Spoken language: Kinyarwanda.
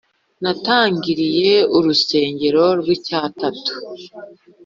natangiiriye rusengo rw’icy’atatu